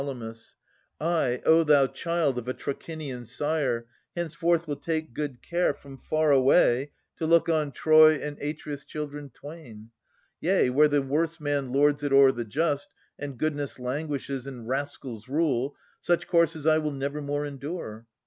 I, O thou child of a Trachinian sire, Henceforth will take good care, from far away To look on Troy and Atreus' children twain. Yea, where the worse man lords it o'er the just, And goodness languishes and rascals rule, — Such courses I will nevermore endure.